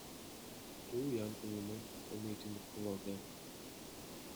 Two young women knitting clothing.